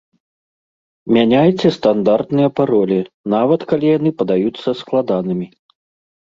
Мяняйце стандартныя паролі, нават калі яны падаюцца складанымі.